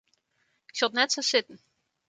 Ik sjoch it net sa sitten.